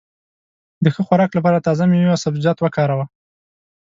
د ښه خوراک لپاره تازه مېوې او سبزيجات وکاروه.